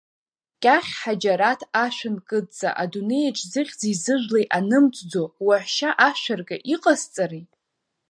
Кьахь Ҳаџьараҭ ашәынкыдҵа, адунеиаҿ зыхьӡи зыжәлеи анымҵӡо, уаҳәшьа ашәаркы, иҟасҵари?